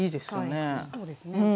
そうですね。